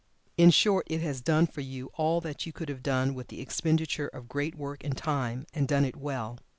In short it has done for you all that you could have done with the expenditure of great work and time, and done it well.